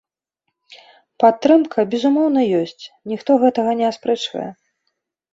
Падтрымка, безумоўна, ёсць, ніхто гэтага не аспрэчвае.